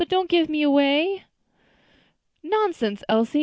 don't give me away." "Pooh! nonsense, Elsie!